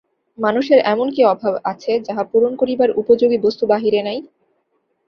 মানুষের এমন কি অভাব আছে, যাহা পূরণ করিবার উপযোগী বস্তু বাহিরে নাই।